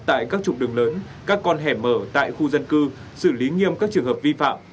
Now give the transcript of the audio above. tại các trục đường lớn các con hẻm mở tại khu dân cư xử lý nghiêm các trường hợp vi phạm